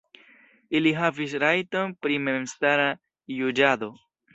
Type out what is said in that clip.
Ili havis rajton pri memstara juĝado.